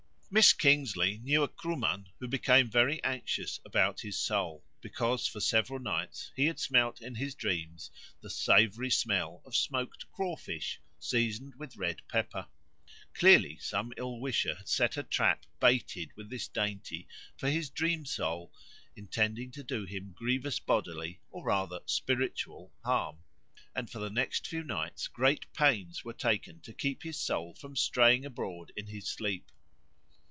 Miss Kingsley knew a Kruman who became very anxious about his soul, because for several nights he had smelt in his dreams the savoury smell of smoked crawfish seasoned with red pepper. Clearly some ill wisher had set a trap baited with this dainty for his dream soul, intending to do him grievous bodily, or rather spiritual, harm; and for the next few nights great pains were taken to keep his soul from straying abroad in his sleep.